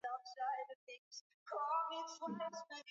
Penye nia kuna njia.